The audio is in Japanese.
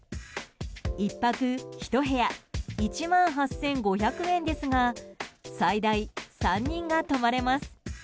１泊１部屋１万８５００円ですが最大３人が泊まれます。